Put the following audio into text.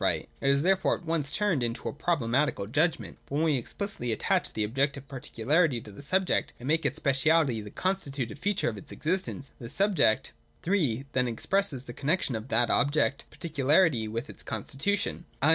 It is therefore at once turned into (2) a Problematical judgment. But when we explicitly attach the objective particularity to the subject and make its specialitythe con stitutive feature of its existence, the subject (3) then ex presses the connexion of that objective particularity with its constitution, i.